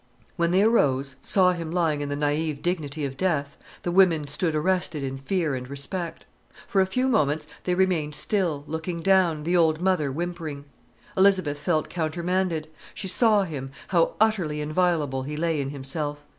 When they arose, saw him lying in the naïve dignity of death, the women stood arrested in fear and respect. For a few moments they remained still, looking down, the old mother whimpering. Elizabeth felt countermanded. She saw him, how utterly inviolable he lay in himself.